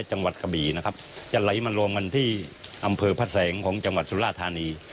กะบี่นะครับจะไหลมารวมกันที่อำเภอพระแสงของจังหวัดสุราธานี